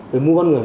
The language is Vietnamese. về mua bán người